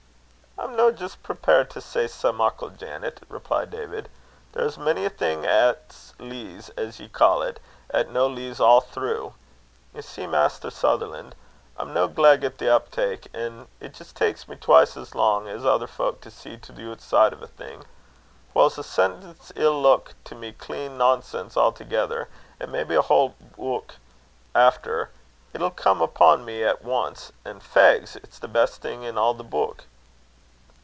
"I'm no jist prepared to say sae muckle, Janet," replied David; "there's mony a thing 'at's lees, as ye ca't, 'at's no lees a' through. Ye see, Maister Sutherlan', I'm no gleg at the uptak, an' it jist taks me twise as lang as ither fowk to see to the ootside o' a thing. Whiles a sentence 'ill leuk to me clean nonsense a'thegither; an' maybe a haill ook efter, it'll come upo' me a' at ance; an' fegs! it's the best thing in a' the beuk."